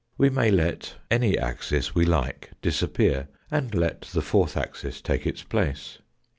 We may let any axis we like disappear, and let th fourth axis take its place.